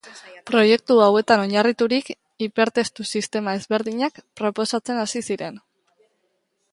Proiektu hauetan oinarriturik, hipertestu-sistema ezberdinak proposatzen hasi ziren.